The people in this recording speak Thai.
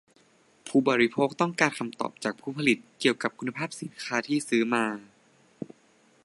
ผู้บริโภคต้องการคำตอบจากผู้ผลิตเกี่ยวกับคุณภาพของสินค้าที่ซื้อมา